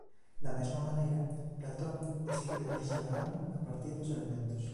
Da mesma maneira Platón describe a orixe da alma a partir dos elementos.